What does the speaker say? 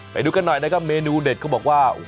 ไปดูกันหน่อยนะครับเมนูเด็ดเขาบอกว่า